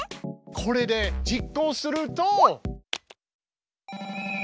これで実行すると。